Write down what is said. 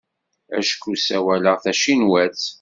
Acku ssawaleɣ tacinwat.